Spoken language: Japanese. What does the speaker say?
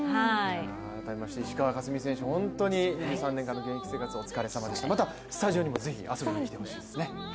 改めまして石川佳純選手、３年間の現役生活、お疲れさまでした、またスタジオにもぜひ遊びに来てほしいですね。